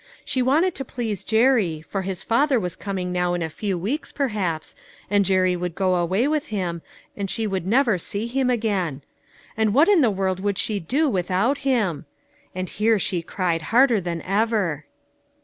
She wanted to please Jerry, for his father was coming now in a few weeks perhaps, and Jerry would go away with him, and she should never see him again ; and what in the world would she do without him? And here she cried harder than ever.